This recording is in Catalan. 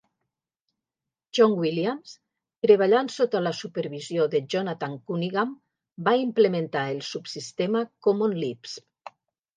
John Williams, treballant sota la supervisió de Jonathan Cunningham va implementar el subsistema Common Lisp.